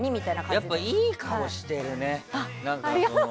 やっぱりいい顔してるね。